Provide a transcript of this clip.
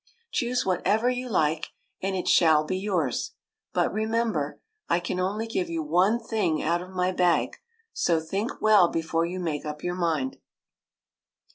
Choose whatever you like and it shall be yours; but remember, I can only give you one thing out of my bag, so think well before you make up your mind."